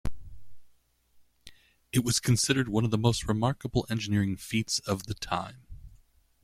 It was considered one of the most remarkable engineering feats of the time.